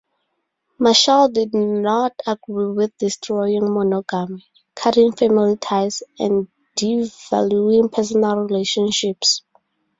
Marshall did not agree with destroying monogamy, cutting family ties, and devaluing personal relationships.